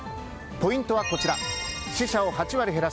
ポイントはこちら。